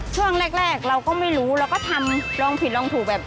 ช่วงแรกเราก็ไม่รู้เราก็ทำลองผิดลองถูกแบบ